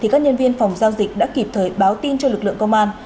các nhân viên phòng giao dịch đã kịp thời báo tin cho lực lượng công an